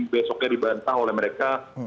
besoknya dibantah oleh mereka